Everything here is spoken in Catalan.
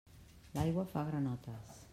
L'aigua fa granotes.